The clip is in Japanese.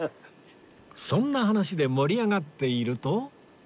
そんな話で盛り上がっていると